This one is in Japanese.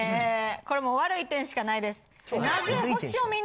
これもう悪い点しかないです。